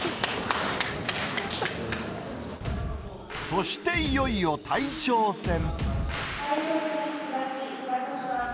そしていよいよ大将戦。